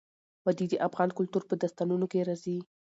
وادي د افغان کلتور په داستانونو کې راځي.